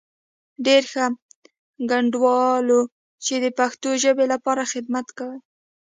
ډېر ښه، ګډنوالو چې د پښتو ژبې لپاره خدمت کوئ.